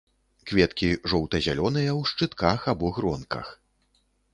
Кветкі жоўта-зялёныя ў шчытках або гронках.